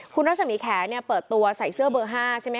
คุณรัศมีแขนเปิดตัวใส่เสื้อเบอร์๕ใช่ไหม